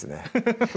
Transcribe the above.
ハハハッ